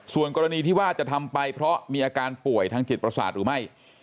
ส่วนกรณีที่ว่าจะทำไปเพราะมีอาการป่วยทางจิตประสาทหรือไม่